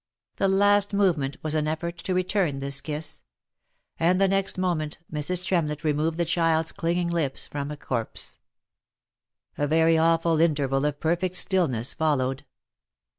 The last movement was an effort to return this kiss ; and the next moment Mrs. Tremlett removed the child's clinging lips from a corse. A very awful interval of perfect stillness followed.